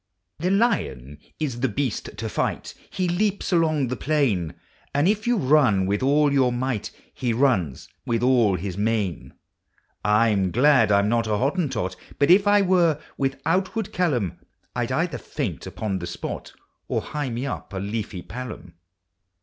The lion is the beast to tight, He leaps along the plain. And if you run with all your might, He runs with all his mane. I 'in glad I 'm not a Hottentot, Hut if I were, with outward cal lum I \\ either faint upon the spot Or hie me up a leafy pal lum.